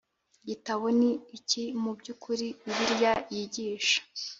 Gitabo ni iki mu by ukuri bibiliya yigisha